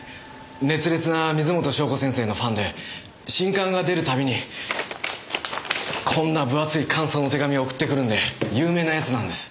熱烈な水元湘子先生のファンで新刊が出る度にこんな分厚い感想の手紙を送ってくるんで有名な奴なんです。